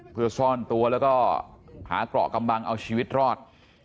เพื่อซ่อนตัวแล้วก็หาเกราะกำบังเอาชีวิตรอด